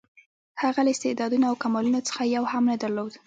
هغه له استعدادونو او کمالونو څخه یو هم نه درلود.